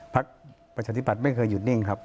พักประชาธิบัติไม่เคยหยุดนิ่งครับ